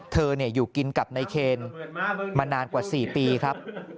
เธอเนี่ยอยู่กินกับในเครนมานานกว่า๔ปีครับ